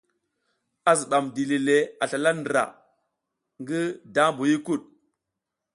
A zibam dili le a slala ndra le ngi daʼmbu huykuɗ.